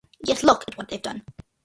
Yet look what they have done.